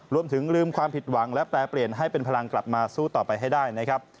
รวมถึงลืมความผิดหวังและแปรเปลี่ยนให้เป็นพลังกลับมาสู้ต่อไปให้ได้นะครับ